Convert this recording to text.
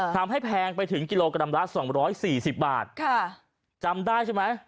แพงไปถึงกิโลกรัมละ๒๔๐บาทจำได้ใช่ไหม